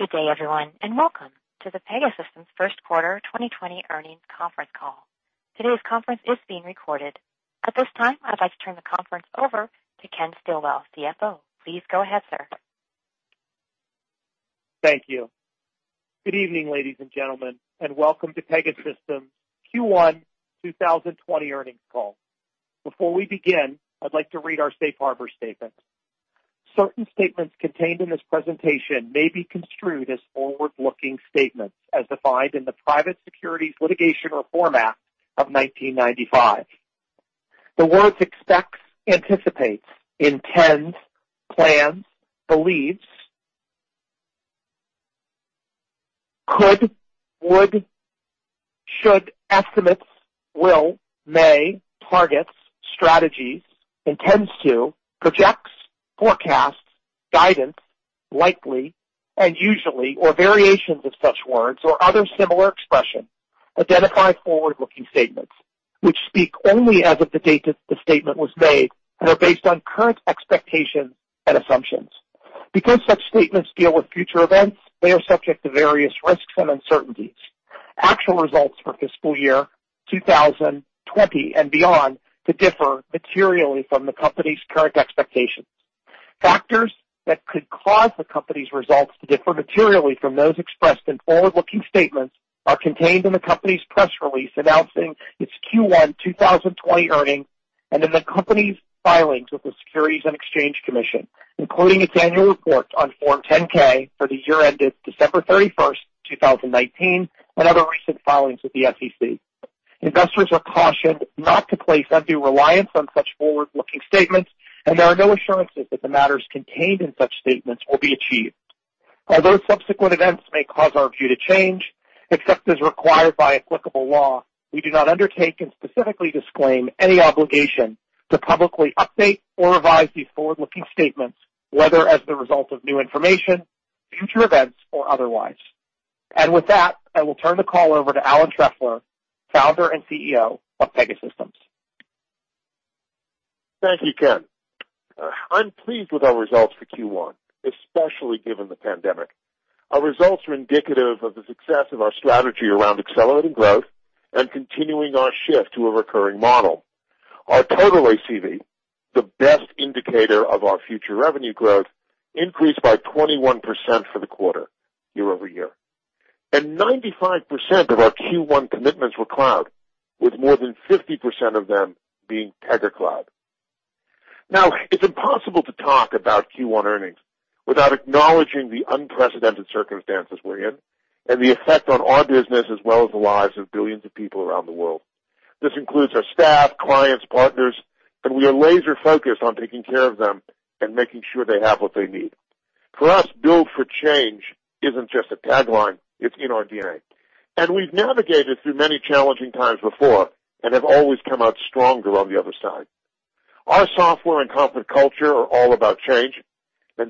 Good day, everyone, and welcome to the Pegasystems first quarter 2020 earnings conference call. Today's conference is being recorded. At this time, I'd like to turn the conference over to Ken Stillwell, CFO. Please go ahead, sir. Thank you. Good evening, ladies and gentlemen, and welcome to Pegasystems Q1 2020 earnings call. Before we begin, I'd like to read our safe harbor statement. Certain statements contained in this presentation may be construed as forward-looking statements as defined in the Private Securities Litigation Reform Act of 1995. The words expects, anticipates, intends, plans, believes, could, would, should, estimates, will, may, targets, strategies, intends to, projects, forecasts, guidance, likely, and usually, or variations of such words or other similar expression, identify forward-looking statements, which speak only as of the date that the statement was made and are based on current expectations and assumptions. Because such statements deal with future events, they are subject to various risks and uncertainties. Actual results for fiscal year 2020 and beyond could differ materially from the company's current expectations. Factors that could cause the company's results to differ materially from those expressed in forward-looking statements are contained in the company's press release announcing its Q1 2020 earnings and in the company's filings with the Securities and Exchange Commission, including its annual report on Form 10-K for the year ended December 31st, 2019, and other recent filings with the SEC. Investors are cautioned not to place undue reliance on such forward-looking statements. There are no assurances that the matters contained in such statements will be achieved. Although subsequent events may cause our view to change, except as required by applicable law, we do not undertake and specifically disclaim any obligation to publicly update or revise these forward-looking statements, whether as the result of new information, future events, or otherwise. With that, I will turn the call over to Alan Trefler, Founder and CEO of Pegasystems. Thank you, Ken. I'm pleased with our results for Q1, especially given the pandemic. Our results are indicative of the success of our strategy around accelerating growth and continuing our shift to a recurring model. Our total ACV, the best indicator of our future revenue growth, increased by 21% for the quarter year-over-year. 95% of our Q1 commitments were cloud, with more than 50% of them being Pega Cloud. Now, it's impossible to talk about Q1 earnings without acknowledging the unprecedented circumstances we're in and the effect on our business, as well as the lives of billions of people around the world. This includes our staff, clients, partners, and we are laser-focused on taking care of them and making sure they have what they need. For us, build for change isn't just a tagline, it's in our DNA. We've navigated through many challenging times before and have always come out stronger on the other side. Our software and corporate culture are all about change,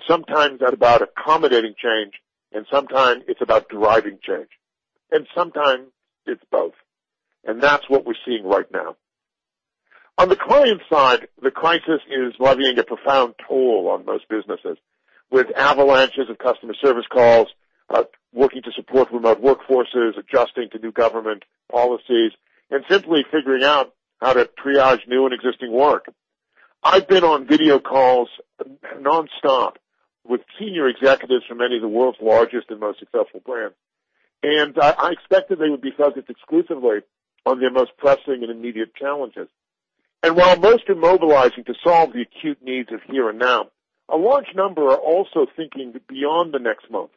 sometimes they're about accommodating change, sometimes it's about driving change, sometimes it's both. That's what we're seeing right now. On the client side, the crisis is levying a profound toll on most businesses, with avalanches of customer service calls, working to support remote workforces, adjusting to new government policies, and simply figuring out how to triage new and existing work. I've been on video calls nonstop with senior executives from many of the world's largest and most successful brands, I expected they would be focused exclusively on their most pressing and immediate challenges. While most are mobilizing to solve the acute needs of here and now, a large number are also thinking beyond the next month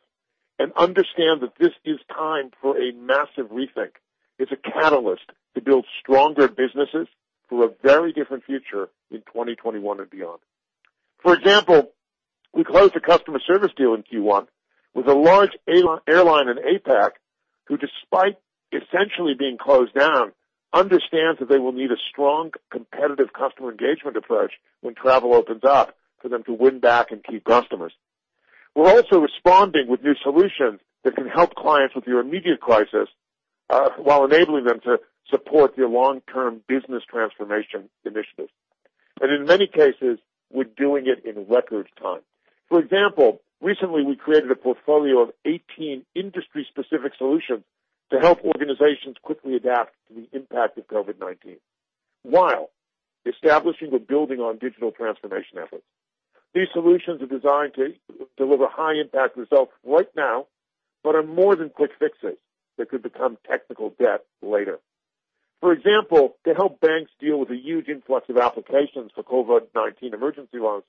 and understand that this is time for a massive rethink. It's a catalyst to build stronger businesses for a very different future in 2021 and beyond. For example, we closed a customer service deal in Q1 with a large airline in APAC, who, despite essentially being closed down, understands that they will need a strong competitive customer engagement approach when travel opens up for them to win back and keep customers. We're also responding with new solutions that can help clients with their immediate crisis, while enabling them to support their long-term business transformation initiatives. In many cases, we're doing it in record time. For example, recently, we created a portfolio of 18 industry-specific solutions to help organizations quickly adapt to the impact of COVID-19 while establishing or building on digital transformation efforts. These solutions are designed to deliver high-impact results right now, but are more than quick fixes that could become technical debt later. For example, to help banks deal with a huge influx of applications for COVID-19 emergency loans,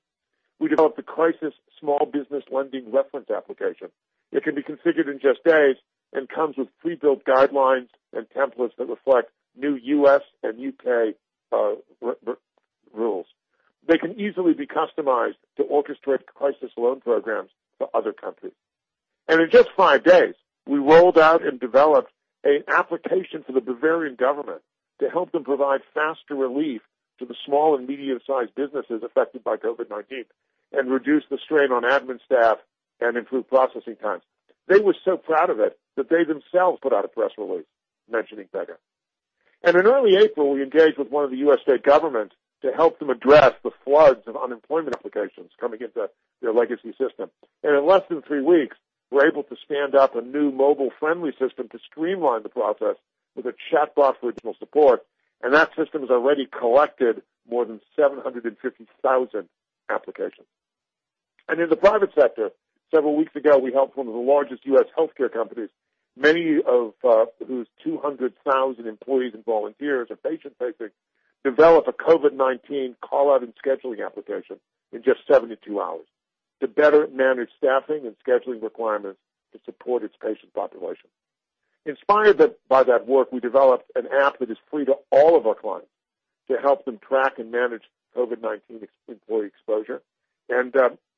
we developed a crisis small business lending reference application. It can be configured in just days and comes with pre-built guidelines and templates that reflect new U.S. and U.K. rules. They can easily be customized to orchestrate crisis loan programs for other countries. In just five days, we rolled out and developed an application for the Bavarian government to help them provide faster relief to the small and medium-sized businesses affected by COVID-19 and reduce the strain on admin staff and improve processing times. They were so proud of it that they themselves put out a press release mentioning Pega. In early April, we engaged with one of the U.S. state governments to help them address the floods of unemployment applications coming into their legacy system. In less than three weeks, we're able to stand up a new mobile-friendly system to streamline the process with a chatbot for additional support. That system has already collected more than 750,000 applications. In the private sector, several weeks ago, we helped one of the largest U.S. healthcare companies, many of whose 200,000 employees and volunteers are patient-facing, develop a COVID-19 call-out and scheduling application in just 72 hours to better manage staffing and scheduling requirements to support its patient population. Inspired by that work, we developed an app that is free to all of our clients to help them track and manage COVID-19 employee exposure and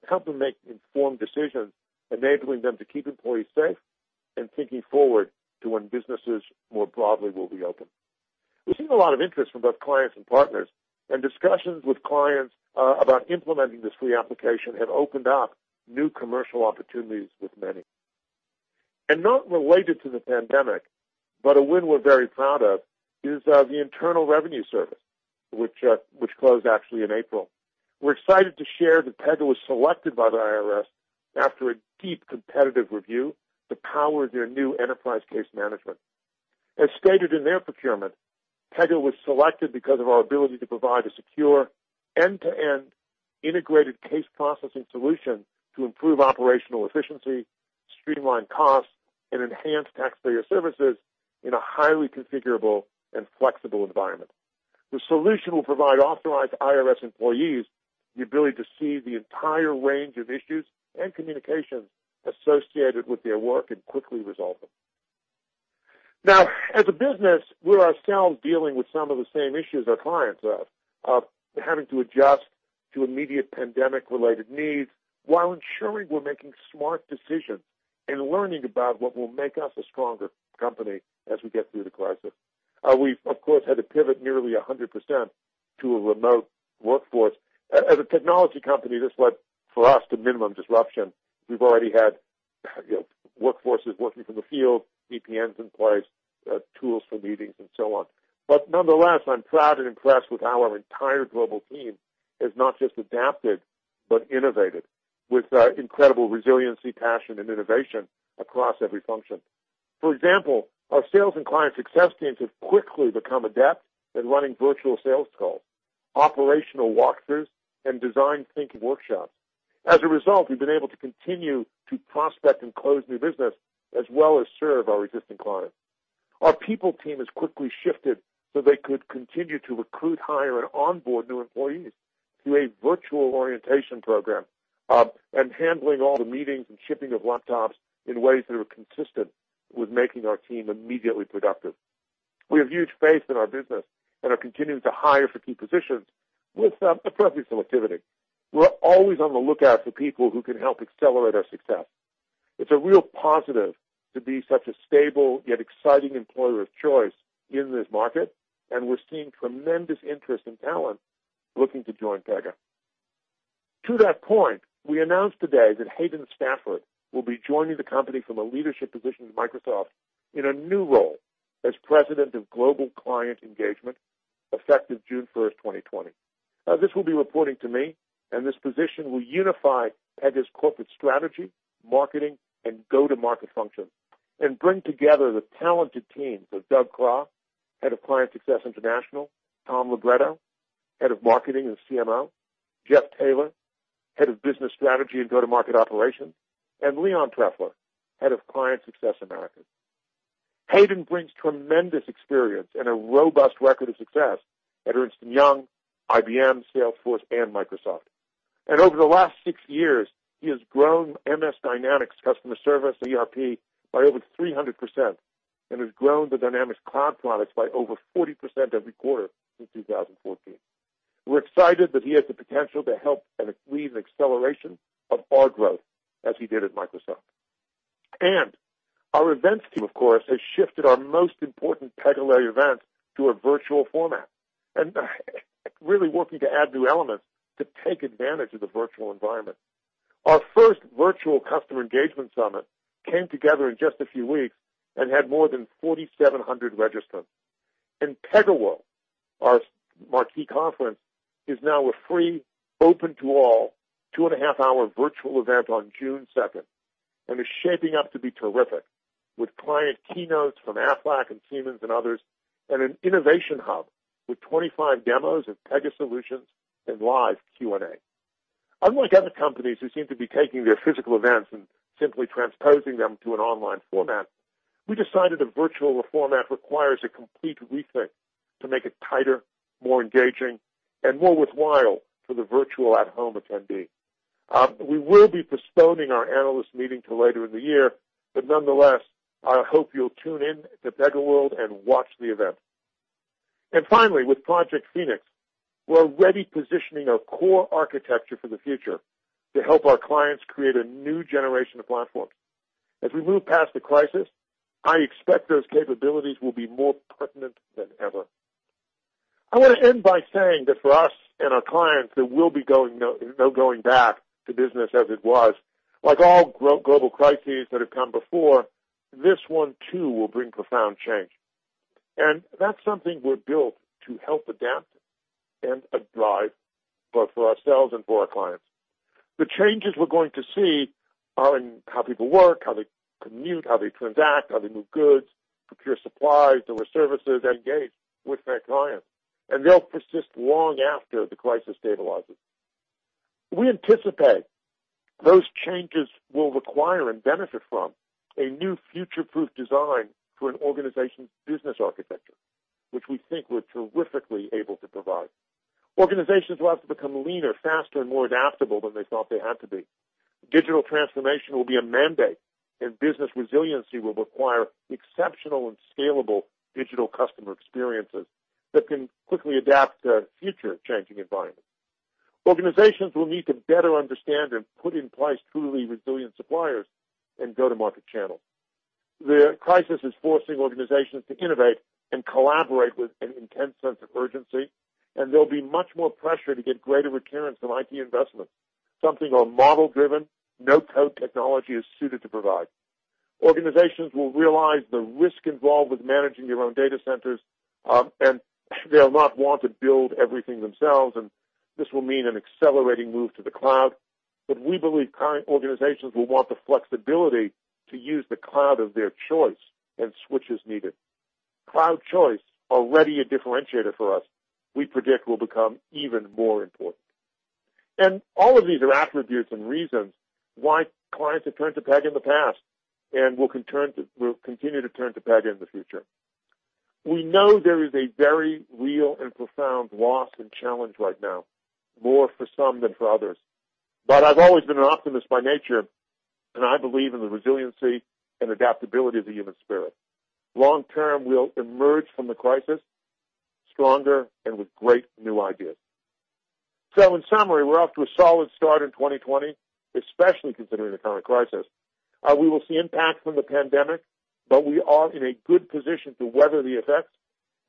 help them make informed decisions, enabling them to keep employees safe and thinking forward to when businesses more broadly will be open. We've seen a lot of interest from both clients and partners. Discussions with clients about implementing this free application have opened up new commercial opportunities with many. Not related to the pandemic, but a win we're very proud of, is the Internal Revenue Service, which closed actually in April. We're excited to share that Pega was selected by the IRS after a deep competitive review to power their new enterprise case management. As stated in their procurement, Pega was selected because of our ability to provide a secure end-to-end integrated case processing solution to improve operational efficiency, streamline costs, and enhance taxpayer services in a highly configurable and flexible environment. The solution will provide authorized IRS employees the ability to see the entire range of issues and communications associated with their work and quickly resolve them. As a business, we're ourselves dealing with some of the same issues our clients have of having to adjust to immediate pandemic-related needs while ensuring we're making smart decisions and learning about what will make us a stronger company as we get through the crisis. We've, of course, had to pivot nearly 100% to a remote workforce. As a technology company, this led for us to minimum disruption. We've already had workforces working from the field, VPNs in place, tools for meetings, and so on. Nonetheless, I'm proud and impressed with how our entire global team has not just adapted, but innovated with incredible resiliency, passion, and innovation across every function. For example, our sales and client success teams have quickly become adept at running virtual sales calls, operational walkthroughs, and design-thinking workshops. As a result, we've been able to continue to prospect and close new business as well as serve our existing clients. Our people team has quickly shifted so they could continue to recruit, hire, and onboard new employees through a virtual orientation program, and handling all the meetings and shipping of laptops in ways that are consistent with making our team immediately productive. We have huge faith in our business and are continuing to hire for key positions with appropriate selectivity. We're always on the lookout for people who can help accelerate our success. It's a real positive to be such a stable, yet exciting employer of choice in this market. We're seeing tremendous interest in talent looking to join Pega. To that point, we announced today that Hayden Stafford will be joining the company from a leadership position at Microsoft in a new role as President of Global Client Engagement effective June first, 2020. This will be reporting to me. This position will unify Pega's corporate strategy, marketing, and go-to-market functions and bring together the talented teams of Doug Clow, Head of Client Success International, Tom Libretto, Head of Marketing and CMO, Jeff Taylor, Head of Business Strategy and Go-to-Market Operations, and Leon Trefler, Head of Client Success Americas. Hayden brings tremendous experience and a robust record of success at Ernst & Young, IBM, Salesforce, and Microsoft. Over the last six years, he has grown MS Dynamics customer service ERP by over 300% and has grown the Dynamics Cloud products by over 40% every quarter since 2014. We're excited that he has the potential to help lead an acceleration of our growth as he did at Microsoft. Our events team, of course, has shifted our most important PegaWorld event to a virtual format and really working to add new elements to take advantage of the virtual environment. Our first virtual customer engagement summit came together in just a few weeks and had more than 4,700 registrants. PegaWorld, our marquee conference, is now a free, open-to-all, two-and-a-half-hour virtual event on June second and is shaping up to be terrific, with client keynotes from Aflac and Siemens and others, and an innovation hub with 25 demos of Pega solutions and live Q&A. Unlike other companies who seem to be taking their physical events and simply transposing them to an online format, we decided a virtual format requires a complete rethink to make it tighter, more engaging, and more worthwhile for the virtual at-home attendee. We will be postponing our analyst meeting till later in the year, but nonetheless, I hope you'll tune in to PegaWorld and watch the event. Finally, with Project Phoenix, we're already positioning our core architecture for the future to help our clients create a new generation of platforms. As we move past the crisis, I expect those capabilities will be more pertinent than ever. I want to end by saying that for us and our clients, there will be no going back to business as it was. Like all global crises that have come before, this one too will bring profound change. That's something we're built to help adapt and drive, both for ourselves and for our clients. The changes we're going to see are in how people work, how they commute, how they transact, how they move goods, procure supplies, deliver services, and engage with their clients. They'll persist long after the crisis stabilizes. We anticipate those changes will require and benefit from a new future-proof design for an organization's business architecture, which we think we're terrifically able to provide. Organizations will have to become leaner, faster, and more adaptable than they thought they had to be. Digital transformation will be a mandate, and business resiliency will require exceptional and scalable digital customer experiences that can quickly adapt to a future changing environment. Organizations will need to better understand and put in place truly resilient suppliers and go-to-market channels. The crisis is forcing organizations to innovate and collaborate with an intense sense of urgency, and there'll be much more pressure to get greater recurrence on IT investment. Something our model-driven, no-code technology is suited to provide. Organizations will realize the risk involved with managing their own data centers, and they'll not want to build everything themselves, and this will mean an accelerating move to the cloud. We believe current organizations will want the flexibility to use the cloud of their choice and switch as needed. Cloud choice, already a differentiator for us, we predict will become even more important. All of these are attributes and reasons why clients have turned to Pega in the past and will continue to turn to Pega in the future. We know there is a very real and profound loss and challenge right now, more for some than for others. I've always been an optimist by nature, and I believe in the resiliency and adaptability of the human spirit. Long term, we'll emerge from the crisis stronger and with great new ideas. In summary, we're off to a solid start in 2020, especially considering the current crisis. We will see impacts from the pandemic, but we are in a good position to weather the effects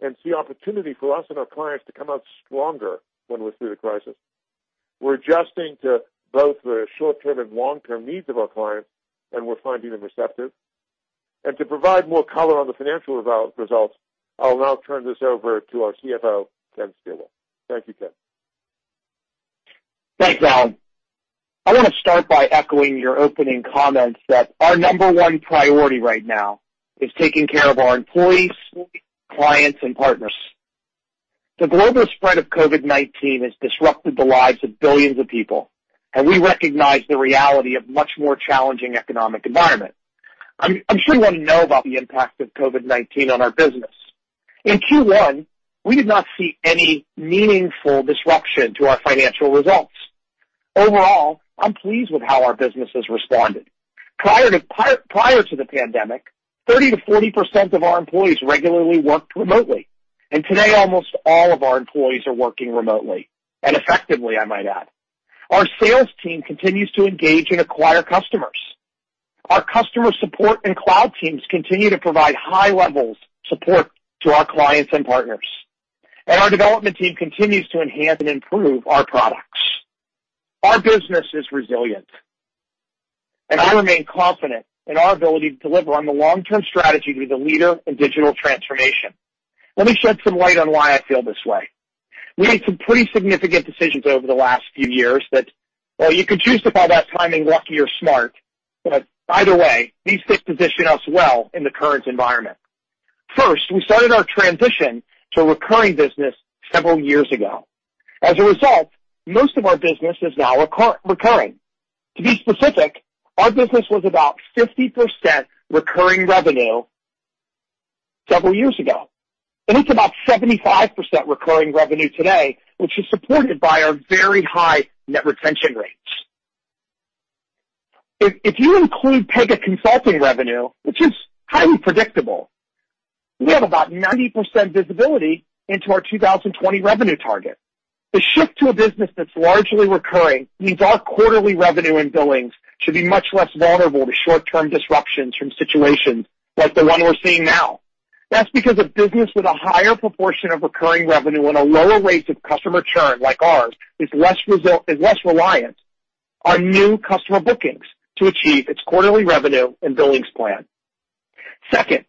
and see opportunity for us and our clients to come out stronger when we're through the crisis. We're adjusting to both the short-term and long-term needs of our clients, and we're finding them receptive. To provide more color on the financial results, I'll now turn this over to our CFO, Ken Stillwell. Thank you, Ken. Thanks, Alan. I want to start by echoing your opening comments that our number one priority right now is taking care of our employees, clients, and partners. The global spread of COVID-19 has disrupted the lives of billions of people. We recognize the reality of much more challenging economic environment. I'm sure you want to know about the impact of COVID-19 on our business. In Q1, we did not see any meaningful disruption to our financial results. Overall, I'm pleased with how our business has responded. Prior to the pandemic, 30%-40% of our employees regularly worked remotely. Today, almost all of our employees are working remotely, and effectively, I might add. Our sales team continues to engage and acquire customers. Our customer support and cloud teams continue to provide high levels of support to our clients and partners. Our development team continues to enhance and improve our products. Our business is resilient. I remain confident in our ability to deliver on the long-term strategy to be the leader in digital transformation. Let me shed some light on why I feel this way. We made some pretty significant decisions over the last few years that, well, you could choose to call that timing lucky or smart, but either way, these shifts position us well in the current environment. First, we started our transition to a recurring business several years ago. As a result, most of our business is now recurring. To be specific, our business was about 50% recurring revenue several years ago. It's about 75% recurring revenue today, which is supported by our very high net retention rates. If you include Pega consulting revenue, which is highly predictable, we have about 90% visibility into our 2020 revenue target. The shift to a business that's largely recurring means our quarterly revenue and billings should be much less vulnerable to short-term disruptions from situations like the one we're seeing now. That's because a business with a higher proportion of recurring revenue and a lower rate of customer churn like ours is less reliant on new customer bookings to achieve its quarterly revenue and billings plan. Second,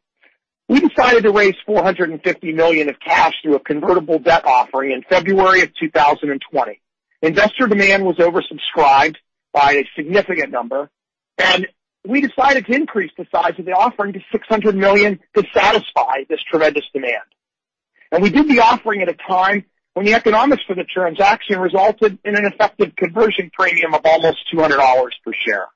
we decided to raise $450 million of cash through a convertible debt offering in February of 2020. Investor demand was oversubscribed by a significant number, and we decided to increase the size of the offering to $600 million to satisfy this tremendous demand. We did the offering at a time when the economics for the transaction resulted in an effective conversion premium of almost $200 per share.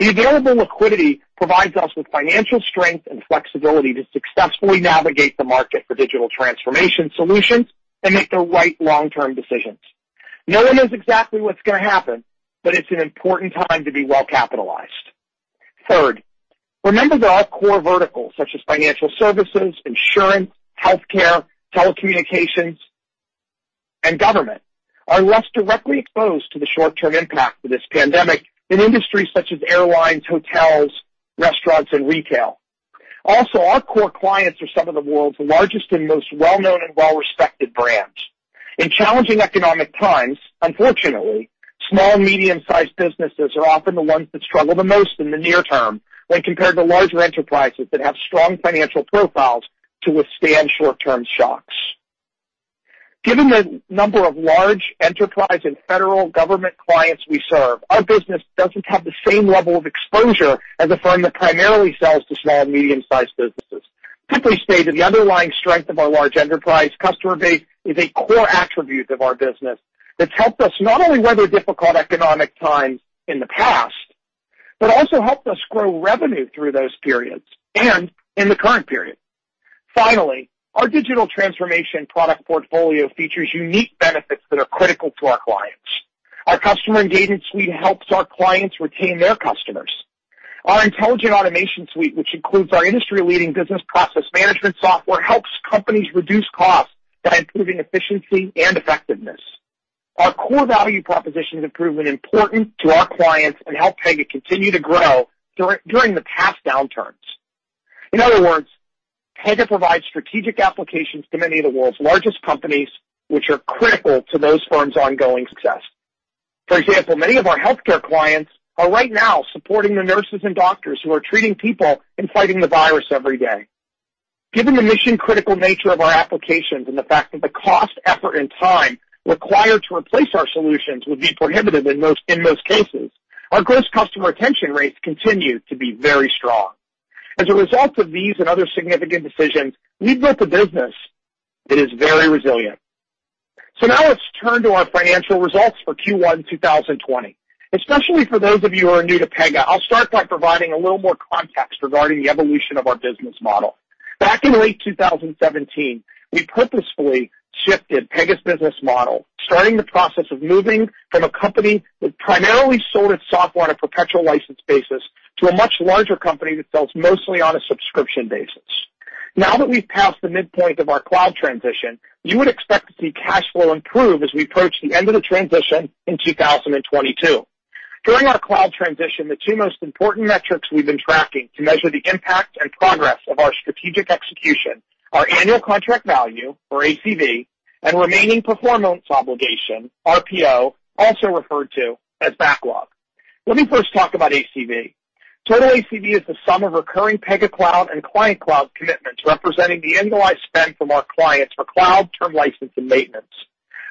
The available liquidity provides us with financial strength and flexibility to successfully navigate the market for digital transformation solutions and make the right long-term decisions. No one knows exactly what's going to happen, but it's an important time to be well-capitalized. Third, remember that our core verticals such as financial services, insurance, healthcare, telecommunications and government are less directly exposed to the short-term impact of this pandemic in industries such as airlines, hotels, restaurants, and retail. Our core clients are some of the world's largest and most well-known and well-respected brands. In challenging economic times, unfortunately, small and medium-sized businesses are often the ones that struggle the most in the near term when compared to larger enterprises that have strong financial profiles to withstand short-term shocks. Given the number of large enterprise and federal government clients we serve, our business doesn't have the same level of exposure as a firm that primarily sells to small and medium-sized businesses. Simply stated, the underlying strength of our large enterprise customer base is a core attribute of our business that's helped us not only weather difficult economic times in the past, but also helped us grow revenue through those periods and in the current period. Finally, our digital transformation product portfolio features unique benefits that are critical to our clients. Our customer engagement suite helps our clients retain their customers. Our intelligent automation suite, which includes our industry-leading business process management software, helps companies reduce costs by improving efficiency and effectiveness. Our core value propositions have proven important to our clients and helped Pega continue to grow during the past downturns. In other words, Pega provides strategic applications to many of the world's largest companies, which are critical to those firms' ongoing success. For example, many of our healthcare clients are right now supporting the nurses and doctors who are treating people and fighting the virus every day. Given the mission-critical nature of our applications and the fact that the cost, effort, and time required to replace our solutions would be prohibitive in most cases, our gross customer retention rates continue to be very strong. As a result of these and other significant decisions, we've built a business that is very resilient. Now let's turn to our financial results for Q1 2020. Especially for those of you who are new to Pega, I'll start by providing a little more context regarding the evolution of our business model. Back in late 2017, we purposefully shifted Pega's business model, starting the process of moving from a company that primarily sold its software on a perpetual license basis to a much larger company that sells mostly on a subscription basis. That we've passed the midpoint of our cloud transition, you would expect to see cash flow improve as we approach the end of the transition in 2022. During our cloud transition, the two most important metrics we've been tracking to measure the impact and progress of our strategic execution are annual contract value, or ACV, and remaining performance obligation, RPO, also referred to as backlog. Let me first talk about ACV. Total ACV is the sum of recurring Pega Cloud and Pega Cloud commitments, representing the annualized spend from our clients for cloud term license and maintenance.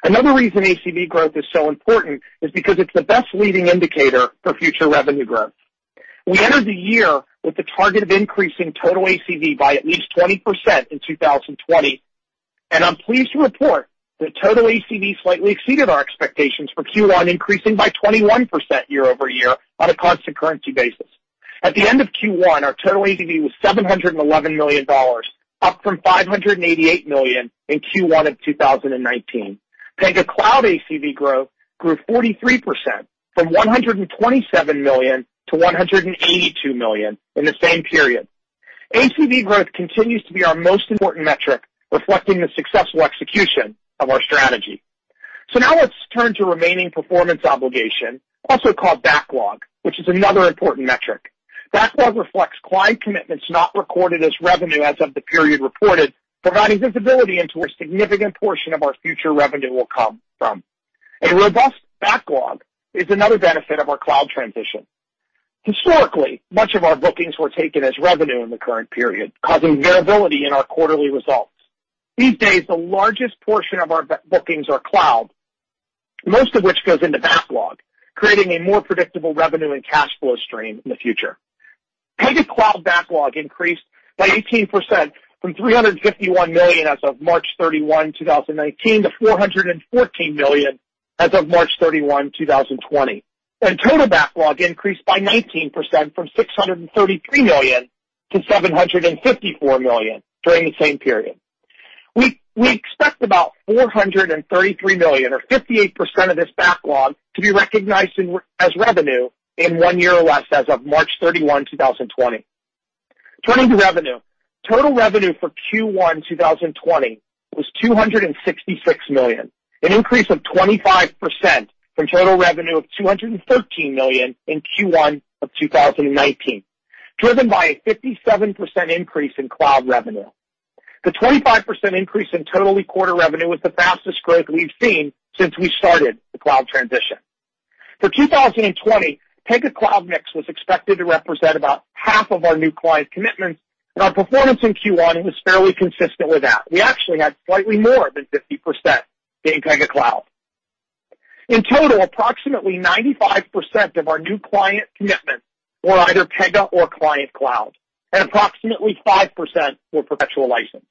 Another reason ACV growth is so important is because it's the best leading indicator for future revenue growth. We entered the year with a target of increasing total ACV by at least 20% in 2020, and I'm pleased to report that total ACV slightly exceeded our expectations for Q1, increasing by 21% year-over-year on a constant currency basis. At the end of Q1, our total ACV was $711 million, up from $588 million in Q1 of 2019. Pega Cloud ACV growth grew 43%, from $127 million to $182 million in the same period. ACV growth continues to be our most important metric, reflecting the successful execution of our strategy. Now let's turn to remaining performance obligation, also called backlog, which is another important metric. Backlog reflects client commitments not recorded as revenue as of the period reported, providing visibility into where a significant portion of our future revenue will come from. A robust backlog is another benefit of our cloud transition. Historically, much of our bookings were taken as revenue in the current period, causing variability in our quarterly results. These days, the largest portion of our bookings are cloud, most of which goes into backlog, creating a more predictable revenue and cash flow stream in the future. Pega Cloud backlog increased by 18%, from $351 million as of March 31, 2019, to $414 million as of March 31, 2020. Total backlog increased by 19%, from $633 million to $754 million during the same period. We expect about $433 million or 58% of this backlog to be recognized as revenue in one year or less as of March 31, 2020. Turning to revenue, total revenue for Q1 2020 was $266 million, an increase of 25% from total revenue of $213 million in Q1 of 2019, driven by a 57% increase in cloud revenue. The 25% increase in total recurring revenue was the fastest growth we've seen since we started the cloud transition. For 2020, Pega Cloud mix was expected to represent about half of our new client commitments, and our performance in Q1 was fairly consistent with that. We actually had slightly more than 50% being Pega Cloud. In total, approximately 95% of our new client commitments were either Pega or Pega Cloud, and approximately 5% were perpetual license.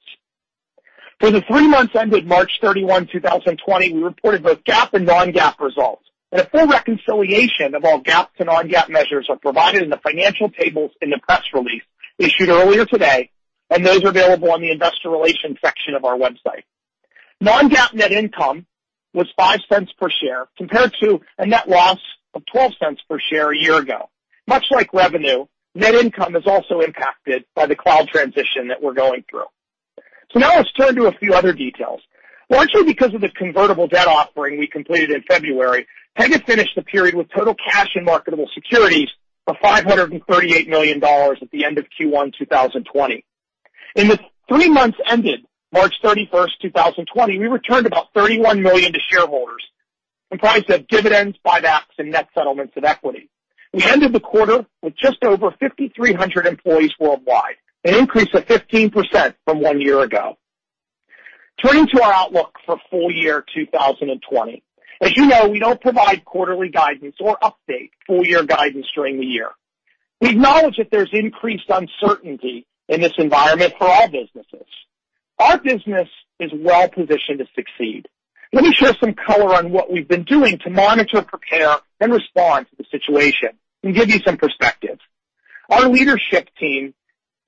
For the three months ended March 31, 2020, we reported both GAAP and non-GAAP results. A full reconciliation of all GAAP to non-GAAP measures are provided in the financial tables in the press release issued earlier today. Those are available on the investor relations section of our website. Non-GAAP net income was $0.05 per share compared to a net loss of $0.12 per share a year ago. Much like revenue, net income is also impacted by the cloud transition that we're going through. Now let's turn to a few other details. Largely because of the convertible debt offering we completed in February, Pega finished the period with total cash and marketable securities of $538 million at the end of Q1 2020. In the three months ended March 31, 2020, we returned about $31 million to shareholders in the price of dividends, buybacks, and net settlements of equity. We ended the quarter with just over 5,300 employees worldwide, an increase of 15% from one year ago. Turning to our outlook for full year 2020. As you know, we don't provide quarterly guidance or update full year guidance during the year. We acknowledge that there's increased uncertainty in this environment for all businesses. Our business is well-positioned to succeed. Let me share some color on what we've been doing to monitor, prepare, and respond to the situation and give you some perspective. Our leadership team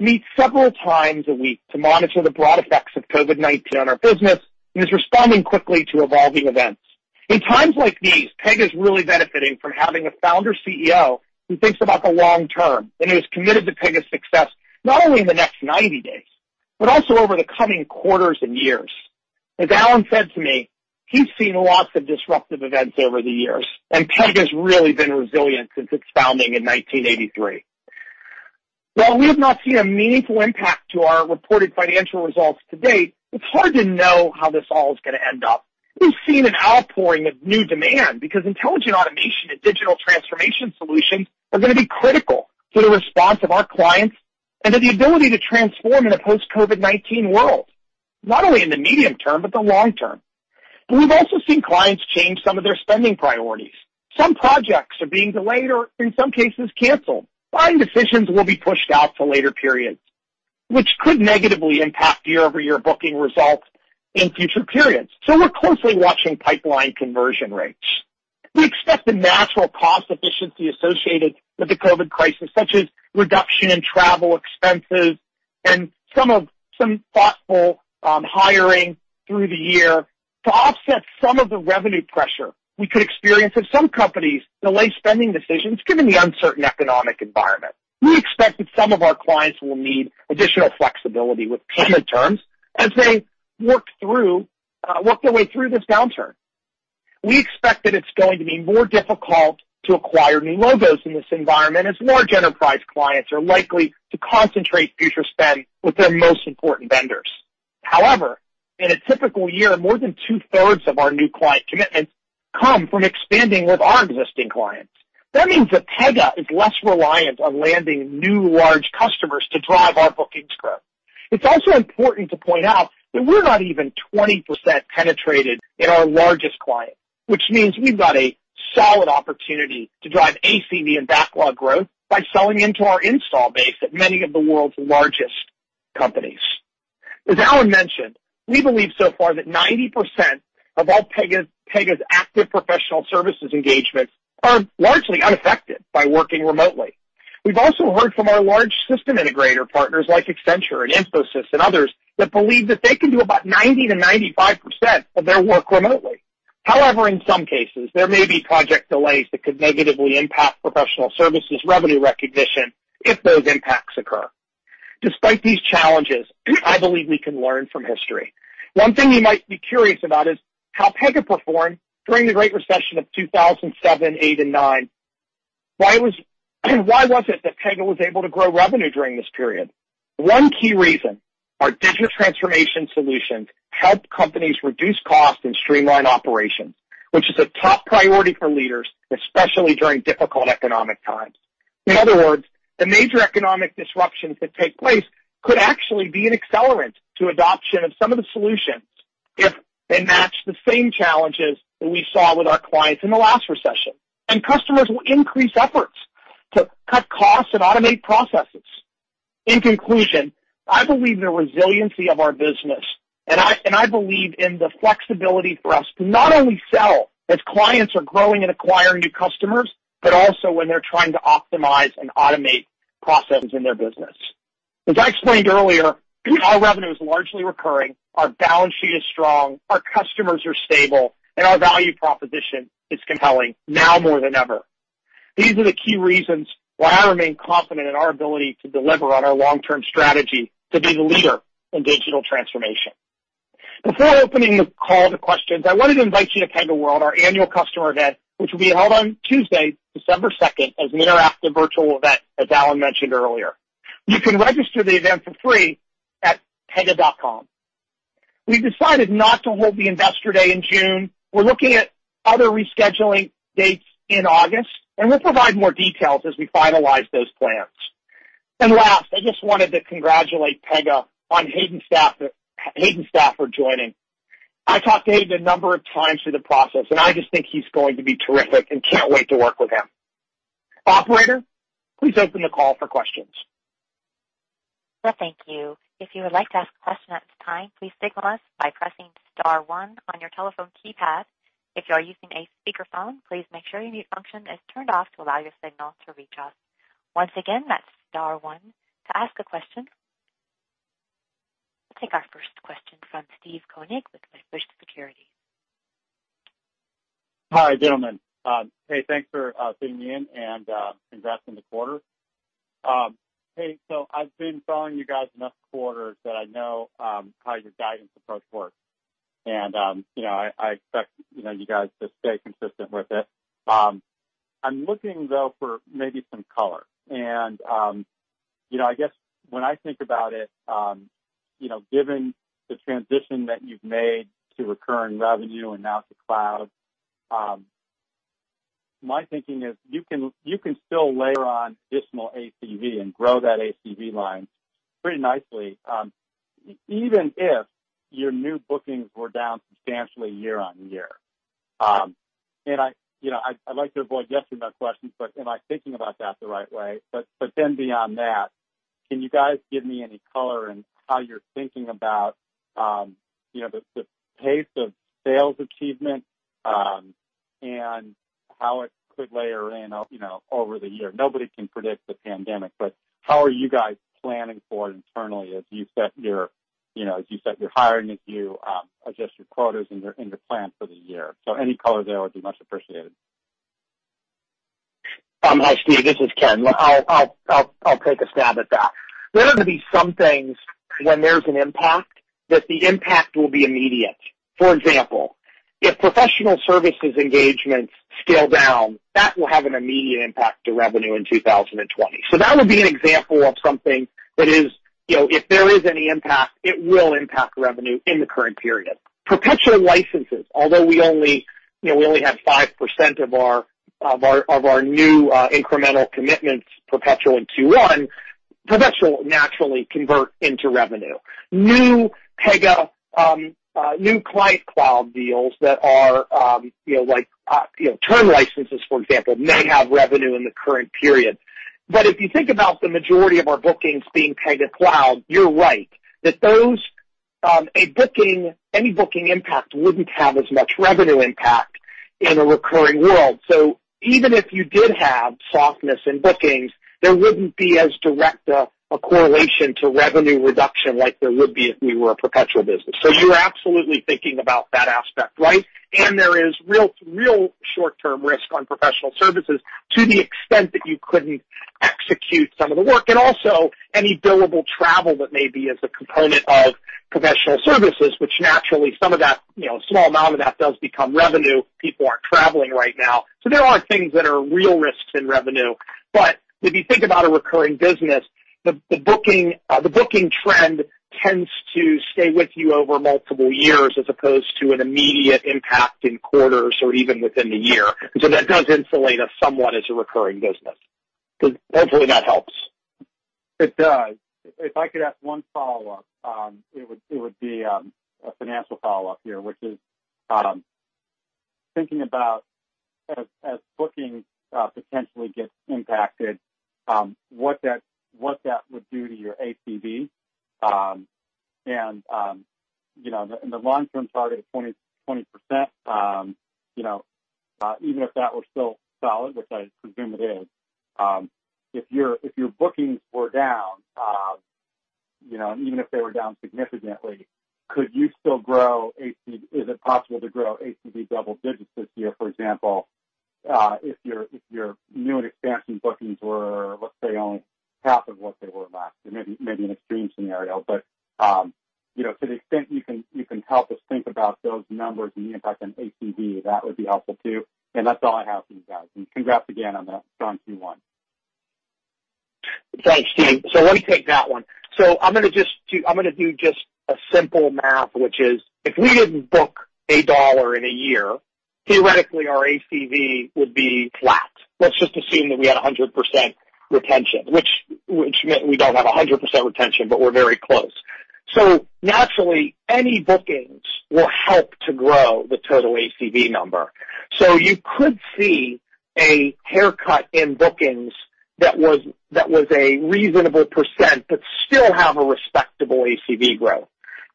meets several times a week to monitor the broad effects of COVID-19 on our business and is responding quickly to evolving events. In times like these, Pega is really benefiting from having a founder CEO who thinks about the long term and who's committed to Pega's success, not only in the next 90 days, but also over the coming quarters and years. As Alan said to me, he's seen lots of disruptive events over the years, Pega's really been resilient since its founding in 1983. While we have not seen a meaningful impact to our reported financial results to date, it's hard to know how this all is going to end up. We've seen an outpouring of new demand because intelligent automation and digital transformation solutions are going to be critical to the response of our clients and to the ability to transform in a post-COVID-19 world, not only in the medium term, but the long term. We've also seen clients change some of their spending priorities. Some projects are being delayed or, in some cases, canceled. Buying decisions will be pushed out to later periods, which could negatively impact year-over-year booking results in future periods. We're closely watching pipeline conversion rates. We expect the natural cost efficiency associated with the COVID crisis, such as reduction in travel expenses and some thoughtful hiring through the year to offset some of the revenue pressure we could experience if some companies delay spending decisions, given the uncertain economic environment. We expect that some of our clients will need additional flexibility with payment terms as they work their way through this downturn. We expect that it's going to be more difficult to acquire new logos in this environment as large enterprise clients are likely to concentrate future spend with their most important vendors. However, in a typical year, more than two-thirds of our new client commitments come from expanding with our existing clients. That means that Pega is less reliant on landing new large customers to drive our bookings growth. It's also important to point out that we're not even 20% penetrated in our largest client, which means we've got a solid opportunity to drive ACV and backlog growth by selling into our install base at many of the world's largest companies. As Alan mentioned, we believe so far that 90% of all Pega's active professional services engagements are largely unaffected by working remotely. We've also heard from our large system integrator partners like Accenture and Infosys and others that believe that they can do about 90%-95% of their work remotely. However, in some cases, there may be project delays that could negatively impact professional services revenue recognition if those impacts occur. Despite these challenges, I believe we can learn from history. One thing you might be curious about is how Pega performed during the Great Recession of 2007, 2008, and 2009. Why was it that Pega was able to grow revenue during this period? One key reason, our digital transformation solutions helped companies reduce cost and streamline operations, which is a top priority for leaders, especially during difficult economic times. In other words, the major economic disruptions that take place could actually be an accelerant to adoption of some of the solutions if they match the same challenges that we saw with our clients in the last recession, and customers will increase efforts to cut costs and automate processes. In conclusion, I believe in the resiliency of our business, and I believe in the flexibility for us to not only sell as clients are growing and acquiring new customers, but also when they're trying to optimize and automate processes in their business. As I explained earlier, our revenue is largely recurring, our balance sheet is strong, our customers are stable, and our value proposition is compelling now more than ever. These are the key reasons why I remain confident in our ability to deliver on our long-term strategy to be the leader in digital transformation. Before opening the call to questions, I wanted to invite you to PegaWorld, our annual customer event, which will be held on Tuesday, December 2nd, as an interactive virtual event, as Alan mentioned earlier. You can register the event for free at pega.com. We've decided not to hold the Investor Day in June. We're looking at other rescheduling dates in August, and we'll provide more details as we finalize those plans. Last, I just wanted to congratulate Pega on Hayden Stafford for joining. I talked to Hayden a number of times through the process, and I just think he's going to be terrific and can't wait to work with him. Operator, please open the call for questions. Well, thank you. If you would like to ask a question at this time, please signal us by pressing star one on your telephone keypad. If you are using a speakerphone, please make sure your mute function is turned off to allow your signal to reach us. Once again, that's star one to ask a question. We'll take our first question from Steve Koenig with Wedbush Securities. Hi, gentlemen. Hey, thanks for fitting me in, and congrats on the quarter. Hey, I've been following you guys enough quarters that I know how your guidance approach works. I expect you guys to stay consistent with it. I'm looking, though, for maybe some color. I guess when I think about it, given the transition that you've made to recurring revenue and now to cloud, my thinking is you can still layer on additional ACV and grow that ACV line pretty nicely, even if your new bookings were down substantially year-on-year. I'd like to avoid yes or no questions, but am I thinking about that the right way? Beyond that, can you guys give me any color in how you're thinking about the pace of sales achievement, and how it could layer in over the year? Nobody can predict the pandemic, but how are you guys planning for it internally as you set your hiring, as you adjust your quotas in the plan for the year? Any color there would be much appreciated. Hi, Steve, this is Ken. I'll take a stab at that. There are going to be some things when there's an impact, that the impact will be immediate. For example, if professional services engagements scale down, that will have an immediate impact to revenue in 2020. That would be an example of something that is, if there is any impact, it will impact revenue in the current period. Perpetual licenses, although we only have 5% of our new incremental commitments perpetual in Q1, perpetual naturally convert into revenue. New Pega Cloud deals that are term licenses, for example, may have revenue in the current period. If you think about the majority of our bookings being Pega Cloud, you're right, that any booking impact wouldn't have as much revenue impact in a recurring world. Even if you did have softness in bookings, there wouldn't be as direct a correlation to revenue reduction like there would be if we were a perpetual business. You're absolutely thinking about that aspect right. There is real short-term risk on professional services to the extent that you couldn't execute some of the work. Also any billable travel that may be as a component of professional services, which naturally, a small amount of that does become revenue. People aren't traveling right now. There are things that are real risks in revenue. If you think about a recurring business, the booking trend tends to stay with you over multiple years as opposed to an immediate impact in quarters or even within the year. That does insulate us somewhat as a recurring business. Hopefully that helps. It does. If I could ask one follow-up, it would be a financial follow-up here, which is thinking about as bookings potentially get impacted, what that would do to your ACV. The long-term target of 20%, even if that were still solid, which I presume it is, if your bookings were down, even if they were down significantly, is it possible to grow ACV double digits this year, for example, if your new and expansion bookings were, let's say, only half of what they were last year? Maybe an extreme scenario, to the extent you can help us think about those numbers and the impact on ACV, that would be helpful too. That's all I have for you guys. Congrats again on a strong Q1. Thanks, Steve. Let me take that one. I'm going to do just a simple math, which is if we didn't book $1 in a year, theoretically our ACV would be flat. Let's just assume that we had 100% retention, which we don't have 100% retention, but we're very close. Naturally, any bookings will help to grow the total ACV number. You could see a haircut in bookings that was a reasonable percent, but still have a respectable ACV growth.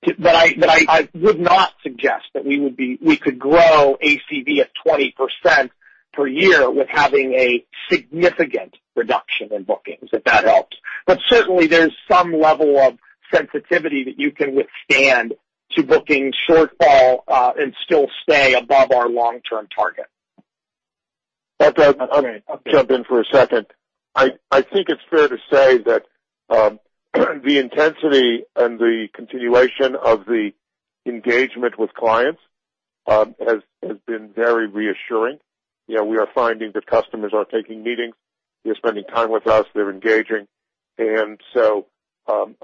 I would not suggest that we could grow ACV at 20% per year with having a significant reduction in bookings, if that helps. Certainly, there's some level of sensitivity that you can withstand to bookings shortfall, and still stay above our long-term target. That does. Okay. I'll jump in for a second. I think it's fair to say that the intensity and the continuation of the engagement with clients has been very reassuring. We are finding that customers are taking meetings, they're spending time with us, they're engaging. I'm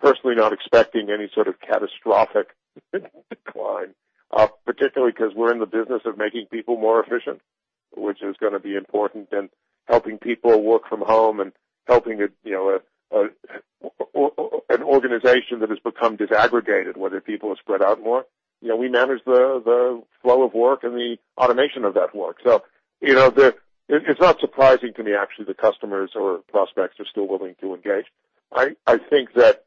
personally not expecting any sort of catastrophic decline, particularly because we're in the business of making people more efficient, which is going to be important in helping people work from home and helping an organization that has become disaggregated where their people are spread out more. We manage the flow of work and the automation of that work. It's not surprising to me, actually, the customers or prospects are still willing to engage. I think that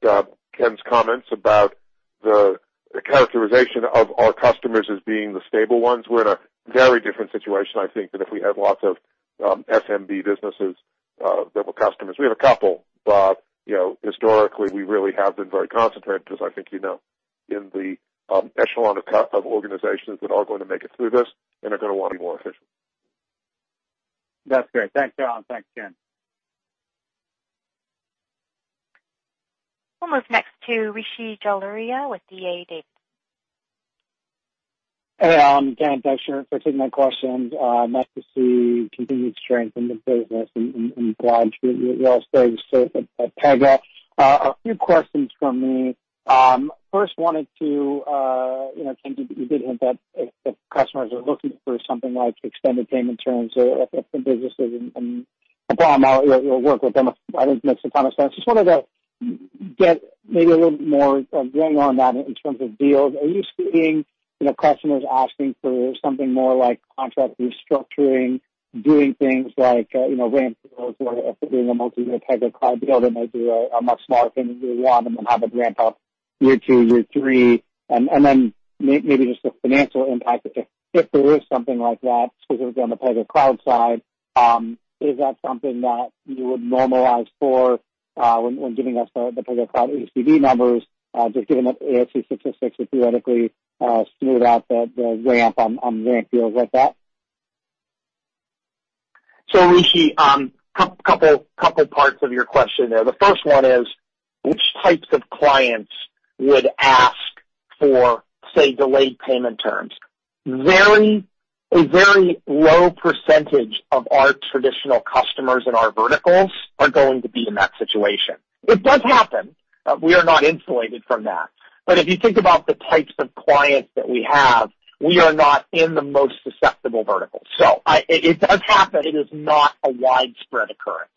Ken's comments about the The characterization of our customers as being the stable ones. We're in a very different situation, I think, than if we had lots of SMB businesses that were customers. We have a couple, but historically, we really have been very concentrated, as I think you know, in the echelon of organizations that are going to make it through this and are going to want to be more efficient. That's great. Thanks, Alan. Thanks, Ken. We'll move next to Rishi Jaluria with D.A. Davidson. Hey, Alan, Ken. Thanks for taking my questions. Nice to see continued strength in the business and glad you're staying safe at Pega. A few questions from me. Wanted to, Ken, you did hint that if customers are looking for something like extended payment terms, if the businesses, and Alan, you'll work with them, I think makes a ton of sense. Just wanted to get maybe a little bit more going on that in terms of deals. Are you seeing customers asking for something more like contract restructuring, doing things like ramp deals where if they're doing a multi-year Pega Cloud deal, they might do a much smaller thing year 1 and then have it ramp up year two, year three? Maybe just the financial impact if there is something like that specifically on the Pega Cloud side, is that something that you would normalize for when giving us the Pega Cloud ACV numbers, just given that ASC statistics would theoretically smooth out the ramp on ramp deals like that? Rishi, couple parts of your question there. The first one is which types of clients would ask for, say, delayed payment terms? A very low percentage of our traditional customers in our verticals are going to be in that situation. It does happen. We are not insulated from that. If you think about the types of clients that we have, we are not in the most susceptible verticals. It does happen. It is not a widespread occurrence.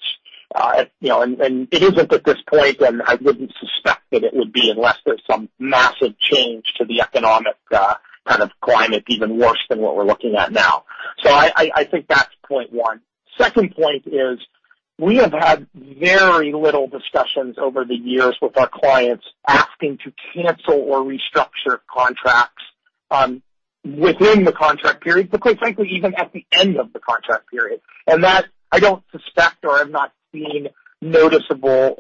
It isn't at this point, and I wouldn't suspect that it would be unless there's some massive change to the economic kind of climate, even worse than what we're looking at now. I think that's point one. Second point is we have had very little discussions over the years with our clients asking to cancel or restructure contracts within the contract period, but quite frankly, even at the end of the contract period. That I don't suspect or have not seen noticeable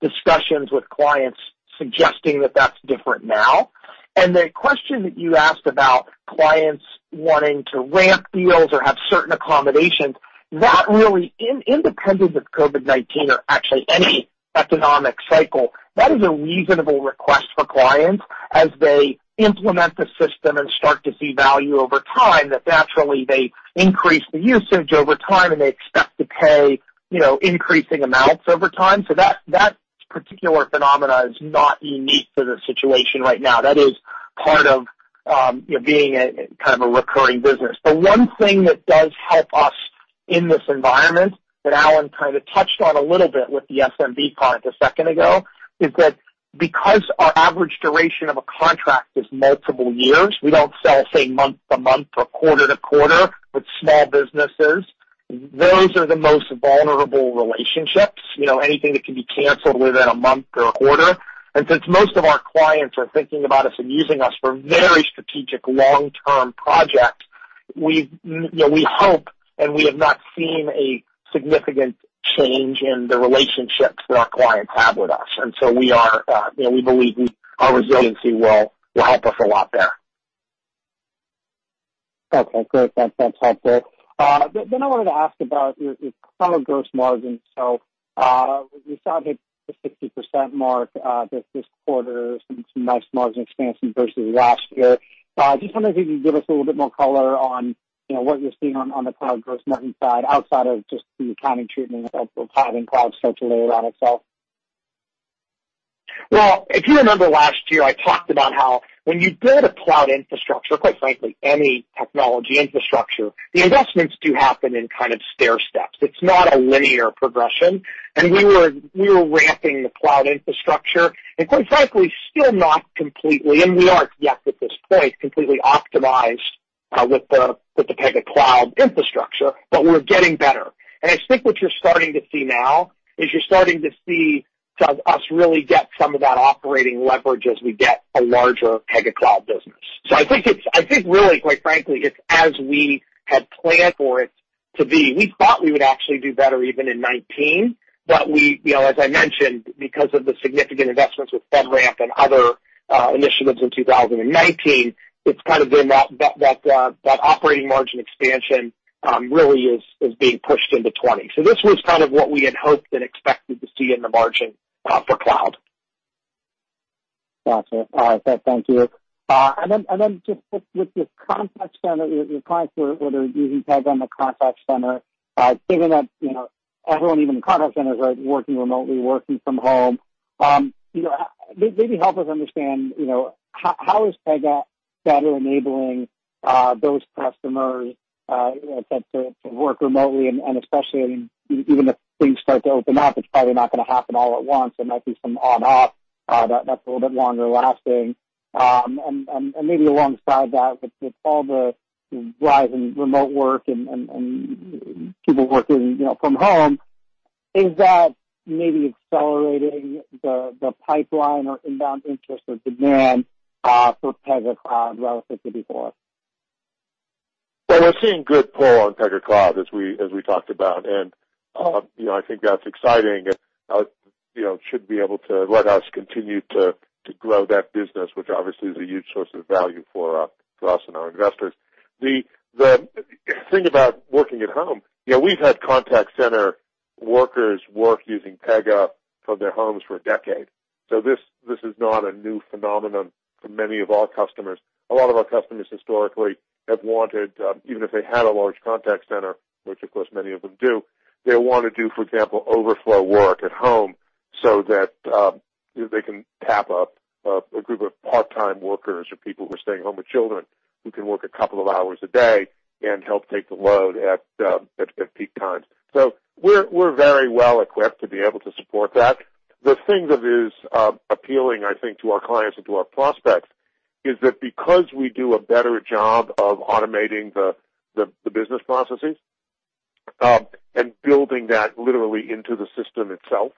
discussions with clients suggesting that that's different now. The question that you asked about clients wanting to ramp deals or have certain accommodations, that really, independent of COVID-19 or actually any economic cycle, that is a reasonable request for clients as they implement the system and start to see value over time, that naturally they increase the usage over time, and they expect to pay increasing amounts over time. That particular phenomena is not unique to the situation right now. That is part of being a recurring business. The one thing that does help us in this environment, that Alan kind of touched on a little bit with the SMB part a second ago, is that because our average duration of a contract is multiple years, we don't sell, say, month-to-month or quarter-to-quarter with small businesses. Those are the most vulnerable relationships, anything that can be canceled within a month or a quarter. Since most of our clients are thinking about us and using us for very strategic long-term projects, we hope, and we have not seen a significant change in the relationships that our clients have with us. We believe our resiliency will help us a lot there. Okay, great. That's helpful. I wanted to ask about your software gross margin. You saw the 60% mark this quarter, some nice margin expansion versus last year. Just wondering if you could give us a little bit more color on what you're seeing on the cloud gross margin side outside of just the accounting treatment of having cloud centrally run itself. Well, if you remember last year, I talked about how when you build a cloud infrastructure, quite frankly, any technology infrastructure, the investments do happen in kind of stairsteps. It's not a linear progression. We were ramping the cloud infrastructure, and quite frankly, still not completely, and we aren't yet at this point, completely optimized with the Pega Cloud infrastructure, but we're getting better. I think what you're starting to see now is you're starting to see us really get some of that operating leverage as we get a larger Pega Cloud business. I think really, quite frankly, it's as we had planned for it to be. We thought we would actually do better even in 2019. As I mentioned, because of the significant investments with FedRAMP and other initiatives in 2019, it's kind of been that operating margin expansion really is being pushed into 2020. This was kind of what we had hoped and expected to see in the margin for cloud. Got it. All right. Thank you. Just with the contact center, your clients who are using Pega on the contact center, given that everyone, even the contact centers, are working remotely, working from home. Maybe help us understand, how is Pega better enabling those customers to work remotely, and especially, even if things start to open up, it's probably not going to happen all at once. There might be some on/off that's a little bit longer lasting. Maybe alongside that, with all the rise in remote work and people working from home Is that maybe accelerating the pipeline or inbound interest or demand for Pega Cloud relative to before? We're seeing good pull on Pega Cloud as we talked about. I think that's exciting and should be able to let us continue to grow that business, which obviously is a huge source of value for us and our investors. The thing about working at home, we've had contact center workers work using Pega from their homes for a decade. This is not a new phenomenon for many of our customers. A lot of our customers historically have wanted, even if they had a large contact center, which of course many of them do, they want to do, for example, overflow work at home so that they can tap up a group of part-time workers or people who are staying home with children who can work a couple of hours a day and help take the load at peak times. We're very well equipped to be able to support that. The thing that is appealing, I think, to our clients and to our prospects is that because we do a better job of automating the business processes, and building that literally into the system itself,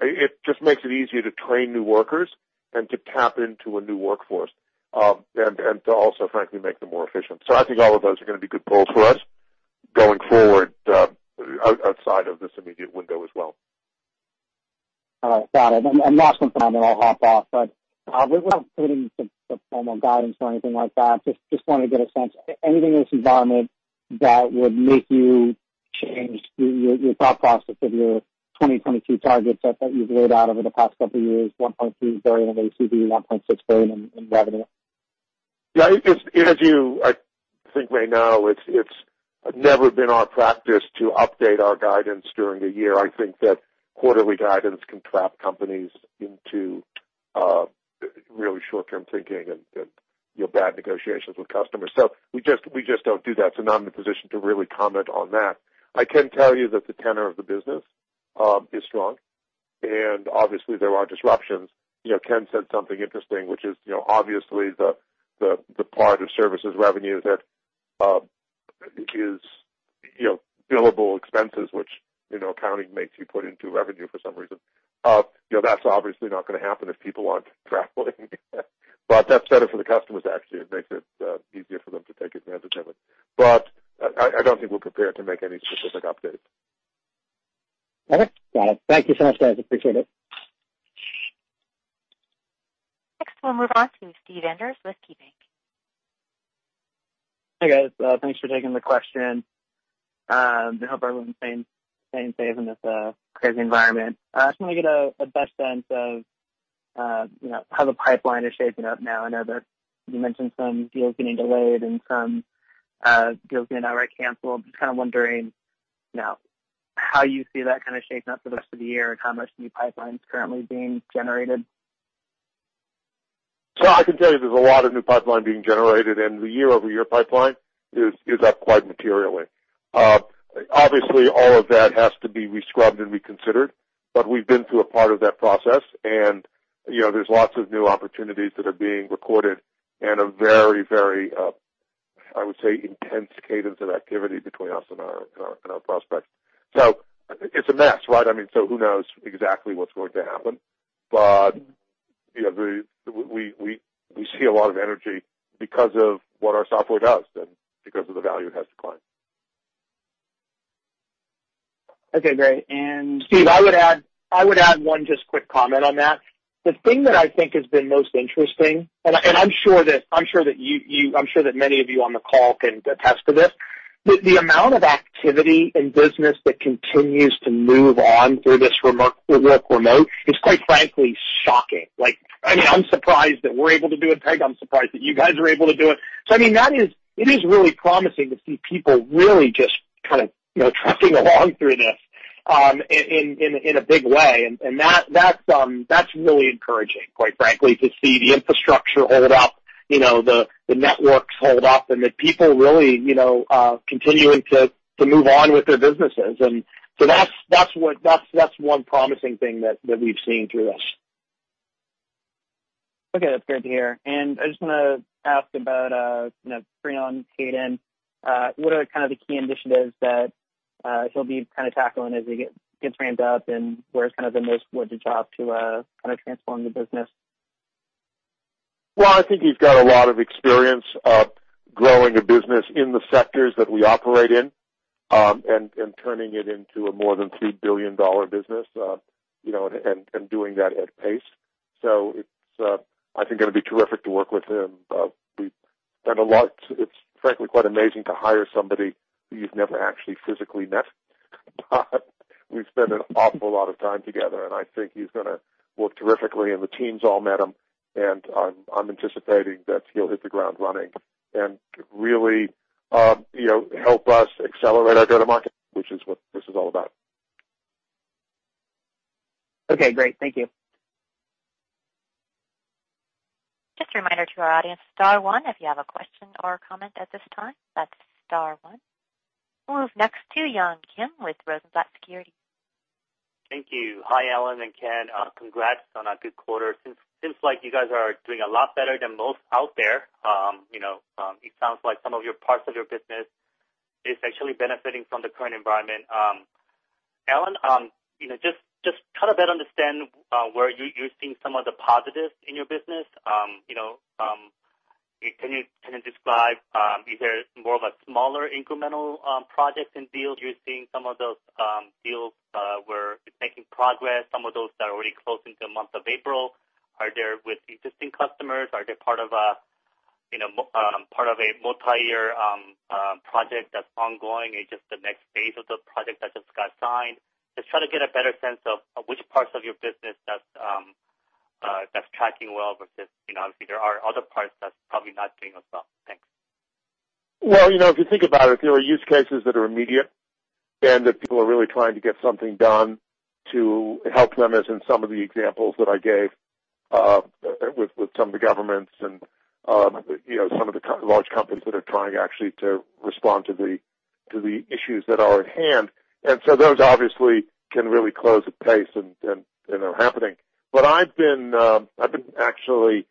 it just makes it easier to train new workers and to tap into a new workforce, and to also, frankly, make them more efficient. I think all of those are going to be good pulls for us going forward, outside of this immediate window as well. All right. Got it. Last one for now, I'll hop off. We won't put in the formal guidance or anything like that. Just want to get a sense. Anything in this environment that would make you change your thought process of your 2022 targets that you've laid out over the past couple years, $1.2 billion in ACV, $1.6 billion in revenue? Yeah. I think right now, it's never been our practice to update our guidance during the year. I think that quarterly guidance can trap companies into really short-term thinking and bad negotiations with customers. We just don't do that, so I'm not in a position to really comment on that. I can tell you that the tenor of the business is strong, obviously there are disruptions. Ken said something interesting, which is obviously the part of services revenue that is billable expenses, which accounting makes you put into revenue for some reason. That's obviously not going to happen if people aren't traveling. That's better for the customers, actually. It makes it easier for them to take advantage of it. I don't think we're prepared to make any specific updates. Okay. Got it. Thank you so much, guys. Appreciate it. Next, we'll move on to Steve Enders with KeyBanc. Hi, guys. Thanks for taking the question. I hope everyone's staying safe in this crazy environment. I just want to get a best sense of how the pipeline is shaping up now. I know that you mentioned some deals getting delayed and some deals being outright canceled. Just kind of wondering now how you see that kind of shaping up for the rest of the year and how much new pipeline's currently being generated. I can tell you there's a lot of new pipeline being generated, and the year-over-year pipeline is up quite materially. Obviously, all of that has to be rescrubbed and reconsidered. We've been through a part of that process and there's lots of new opportunities that are being recorded and a very, I would say, intense cadence of activity between us and our prospects. It's a mess, right? I mean, who knows exactly what's going to happen? We see a lot of energy because of what our software does and because of the value it has to clients. Okay, great. Steve, I would add one just quick comment on that. The thing that I think has been most interesting, and I'm sure that many of you on the call can attest to this. The amount of activity and business that continues to move on through this work remote is, quite frankly, shocking. I'm surprised that we're able to do it, Pega. I'm surprised that you guys are able to do it. I mean, it is really promising to see people really just kind of trucking along through this in a big way. That's really encouraging, quite frankly, to see the infrastructure hold up, the networks hold up, and the people really continuing to move on with their businesses. That's one promising thing that we've seen through this. Okay. That's great to hear. I just want to ask about bringing on Hayden. What are kind of the key initiatives that he'll be kind of tackling as he gets ramped up, and where is the most important job to kind of transform the business? Well, I think he's got a lot of experience growing a business in the sectors that we operate in, and turning it into a more than $3 billion business, and doing that at pace. It's, I think, going to be terrific to work with him. It's frankly quite amazing to hire somebody who you've never actually physically met. We've spent an awful lot of time together, and I think he's going to work terrifically, and the team's all met him, and I'm anticipating that he'll hit the ground running and really help us accelerate our go-to-market, which is what this is all about. Okay, great. Thank you. Just a reminder to our audience, star one if you have a question or comment at this time. That's star one. We'll move next to Yun Kim with Rosenblatt Securities. Thank you. Hi, Alan and Ken. Congrats on a good quarter. Seems like you guys are doing a lot better than most out there. It sounds like some of your parts of your business is actually benefiting from the current environment. Alan, just try to better understand where you're seeing some of the positives in your business. Can you describe, is there more of a smaller incremental project in deals you're seeing some of those deals where it's making progress? Some of those that are already close into month of April, are there with existing customers? Are they part of a multi-year project that's ongoing and just the next phase of the project that just got signed? Just trying to get a better sense of which parts of your business that's tracking well versus, obviously, there are other parts that's probably not doing as well. Thanks. Well, if you think about it, there are use cases that are immediate and that people are really trying to get something done to help them, as in some of the examples that I gave, with some of the governments and some of the large companies that are trying actually to respond to the issues that are at hand. Those obviously can really close at pace and are happening. I've been actually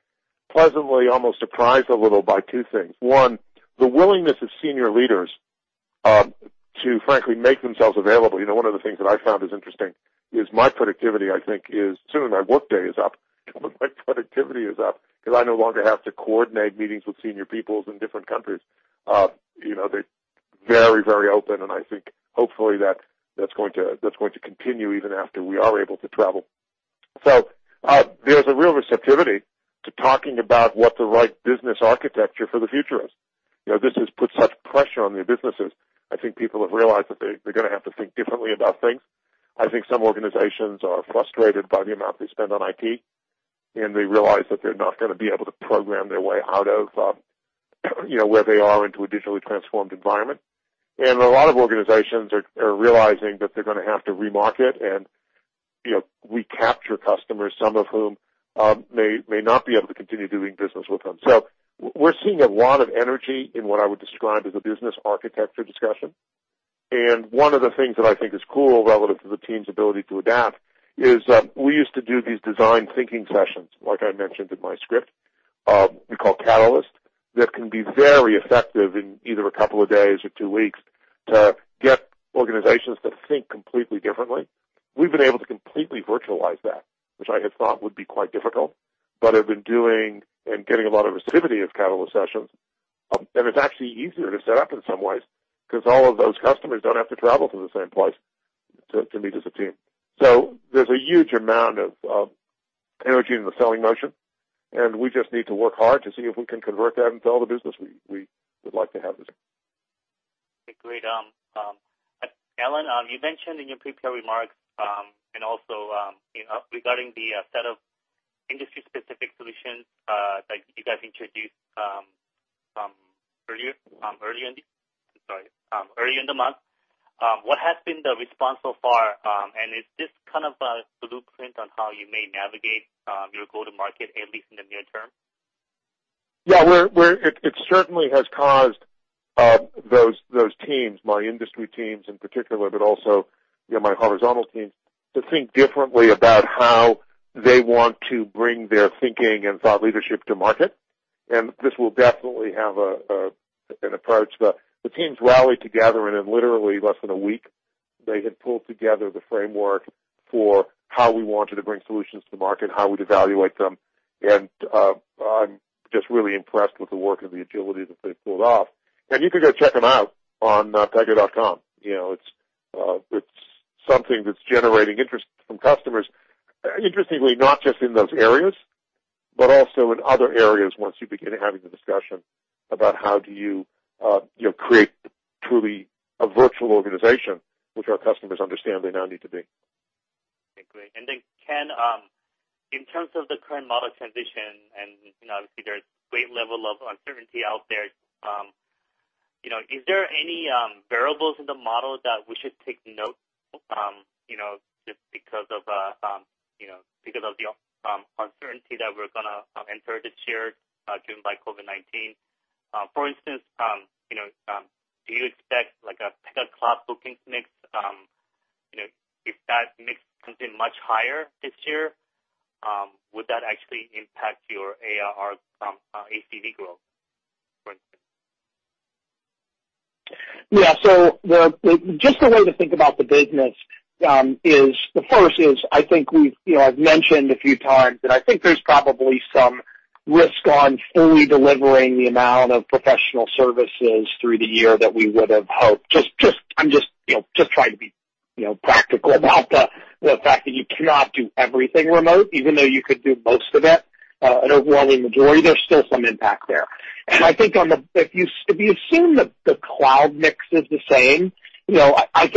pleasantly, almost surprised a little by two things. One, the willingness of senior leaders, to frankly make themselves available. One of the things that I found is interesting is my productivity is up because I no longer have to coordinate meetings with senior people in different countries. They're very open and I think hopefully that's going to continue even after we are able to travel. There's a real receptivity to talking about what the right business architecture for the future is. This has put such pressure on their businesses. I think people have realized that they're going to have to think differently about things. I think some organizations are frustrated by the amount they spend on IT, and they realize that they're not going to be able to program their way out of where they are into a digitally transformed environment. A lot of organizations are realizing that they're going to have to remarket and recapture customers, some of whom may not be able to continue doing business with them. We're seeing a lot of energy in what I would describe as a business architecture discussion. One of the things that I think is cool relative to the team's ability to adapt is, we used to do these design thinking sessions, like I mentioned in my script, we call Catalyst. That can be very effective in either a couple of days or two weeks to get organizations to think completely differently. We've been able to completely virtualize that, which I had thought would be quite difficult, but have been doing and getting a lot of receptivity of Catalyst sessions. It's actually easier to set up in some ways because all of those customers don't have to travel to the same place to meet as a team. There's a huge amount of energy in the selling motion, and we just need to work hard to see if we can convert that into all the business we would like to have. Okay, great. Alan, you mentioned in your prepared remarks, and also regarding the set of industry-specific solutions, that you guys introduced early in the month. What has been the response so far? Is this kind of a blueprint on how you may navigate, your go-to-market, at least in the near term? Yeah. It certainly has caused those teams, my industry teams in particular, but also my horizontal teams, to think differently about how they want to bring their thinking and thought leadership to market. This will definitely have an approach. The teams rallied together, and in literally less than a week, they had pulled together the framework for how we wanted to bring solutions to market and how we'd evaluate them. I'm just really impressed with the work and the agility that they've pulled off. You can go check them out on pega.com. It's something that's generating interest from customers. Interestingly, not just in those areas, but also in other areas once you begin having the discussion about how do you create truly a virtual organization, which our customers understand they now need to be. Okay, great. Then Ken, in terms of the current model transition, obviously there's great level of uncertainty out there. Is there any variables in the model that we should take note, just because of the uncertainty that we're going to enter this year driven by COVID-19? For instance, do you expect like a Pega Cloud bookings mix? If that mix comes in much higher this year, would that actually impact your ARR, ACV growth, for instance? Yeah. Just a way to think about the business is, the first is, I think I've mentioned a few times, and I think there's probably some risk on fully delivering the amount of professional services through the year that we would have hoped. I'm just trying to be practical about the fact that you cannot do everything remote, even though you could do most of it. An overwhelming majority, there's still some impact there. I think if you assume that the cloud mix is the same, I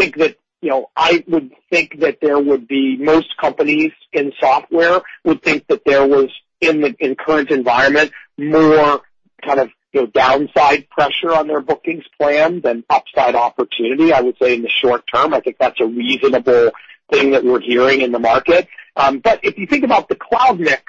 would think that there would be most companies in software would think that there was, in current environment, more kind of downside pressure on their bookings plan than upside opportunity, I would say, in the short term. I think that's a reasonable thing that we're hearing in the market. If you think about the cloud mix,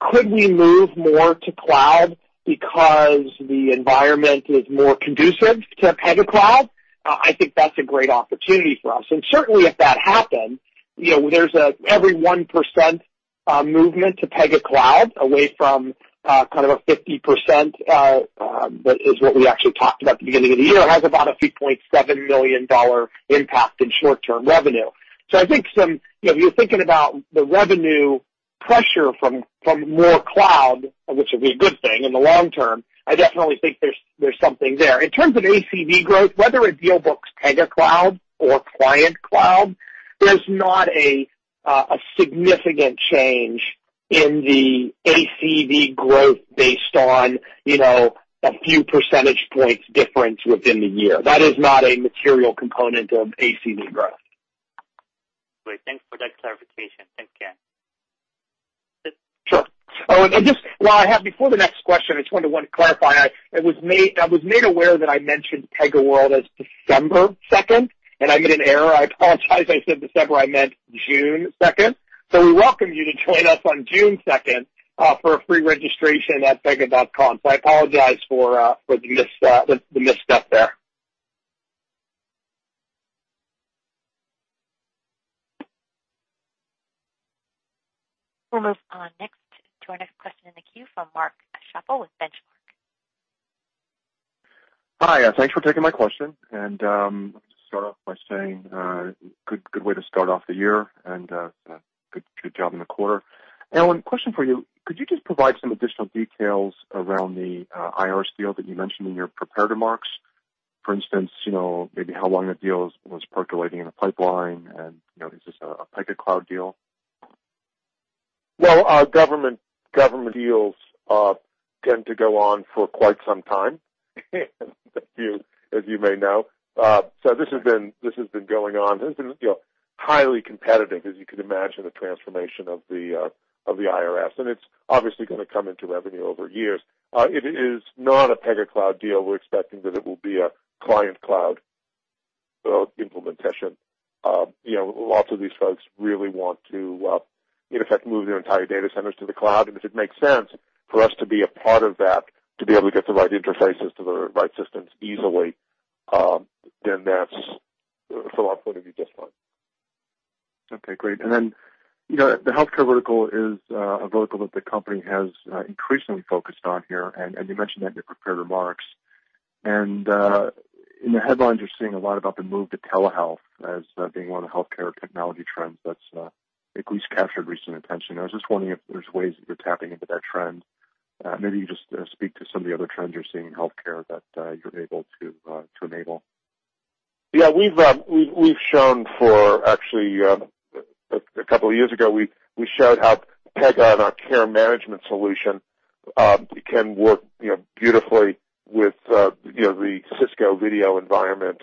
could we move more to cloud because the environment is more conducive to Pega Cloud? I think that's a great opportunity for us. Certainly if that happened, every 1% movement to Pega Cloud away from a 50% is what we actually talked about at the beginning of the year has about a $3.7 million impact in short-term revenue. I think if you're thinking about the revenue pressure from more cloud, which would be a good thing in the long term, I definitely think there's something there. In terms of ACV growth, whether it deal books Pega Cloud or client cloud, there's not a significant change in the ACV growth based on a few percentage points difference within the year. That is not a material component of ACV growth. Great. Thanks for that clarification. Thanks, Ken. Sure. Just while I have, before the next question, I just wanted to clarify. I was made aware that I mentioned PegaWorld as December 2nd, I made an error. I apologize. I said December, I meant June 2nd. We welcome you to join us on June 2nd, for a free registration at pega.com. I apologize for the misstep there. We'll move on next to our next question in the queue from Mark Schappel with Benchmark. Hi. Thanks for taking my question. Let me just start off by saying, good way to start off the year, and good quarter. Alan, question for you. Could you just provide some additional details around the IRS deal that you mentioned in your prepared remarks? For instance, maybe how long the deal was percolating in the pipeline, and is this a Pega Cloud deal? Our government deals tend to go on for quite some time, as you may know. This has been going on. This has been highly competitive, as you could imagine, the transformation of the IRS, and it's obviously going to come into revenue over years. It is not a Pega Cloud deal. We're expecting that it will be a client cloud implementation. Lots of these folks really want to, in effect, move their entire data centers to the cloud. If it makes sense for us to be a part of that, to be able to get the right interfaces to the right systems easily, then that's, from our point of view, just fine. Okay, great. The healthcare vertical is a vertical that the company has increasingly focused on here, and you mentioned that in your prepared remarks. In the headlines, you're seeing a lot about the move to telehealth as being one of the healthcare technology trends that's at least captured recent attention. I was just wondering if there's ways that you're tapping into that trend. Maybe you just speak to some of the other trends you're seeing in healthcare that you're able to enable. Yeah, we've shown for Actually, a couple of years ago, we showed how Pega and our care management solution can work beautifully with the Cisco video environment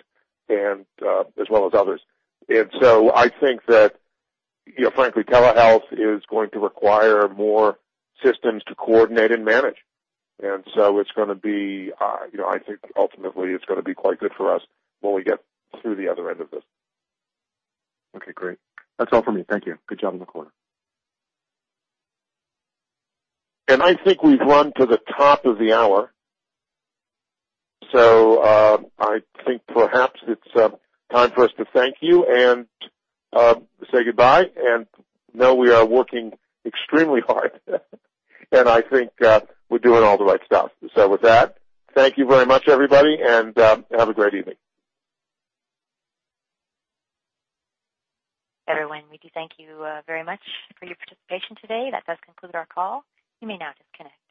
as well as others. I think that, frankly, telehealth is going to require more systems to coordinate and manage. I think ultimately it's going to be quite good for us when we get through the other end of this. Okay, great. That's all for me. Thank you. Good job on the quarter. I think we've run to the top of the hour, so I think perhaps it's time for us to thank you and say goodbye and know we are working extremely hard, and I think we're doing all the right stuff. With that, thank you very much, everybody, and have a great evening. Everyone, we do thank you very much for your participation today. That does conclude our call. You may now disconnect.